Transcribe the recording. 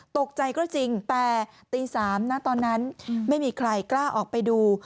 ตกใจก็จริงแต่ตี๓นะตอนนั้นไม่มีใครกล้าออกไปดู